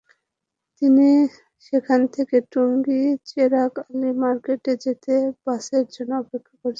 তিনি সেখান থেকে টঙ্গীর চেরাগ আলী মার্কেটে যেতে বাসের জন্য অপেক্ষা করছিলেন।